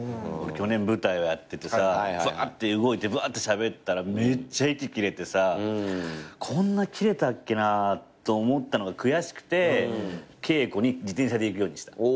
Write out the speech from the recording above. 俺去年舞台をやっててさばーって動いてばーってしゃべったらめっちゃ息切れてさこんな切れたっけなと思ったのが悔しくて稽古に自転車で行くようにした。